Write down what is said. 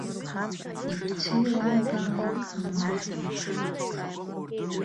Ибцәеиламгааит, амарџьа!